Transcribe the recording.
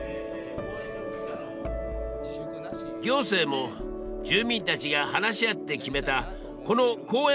行政も住民たちが話し合って決めたこの公園